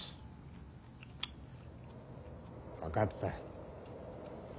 分かった。